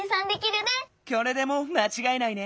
これでもうまちがえないね。